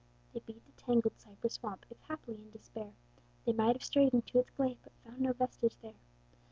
They beat the tangled cypress swamp, If haply in despair They might have strayed into its glade: But found no vestige there.